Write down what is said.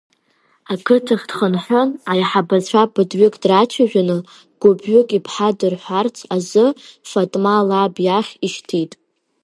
Ақыҭахь дхынҳәын, аиҳабацәа ԥыҭҩык драцәажәаны, гәыԥҩык иԥҳа дырҳәарц азы Фатма лаб иахь ишьҭит.